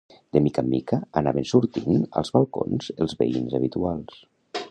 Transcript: De mica en mica, anaven sortint als balcons els veïns habituals.